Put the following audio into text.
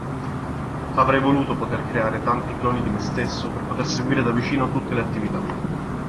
Avrei voluto poter creare tanti cloni di me stesso per poter seguire da vicino tutte le attività.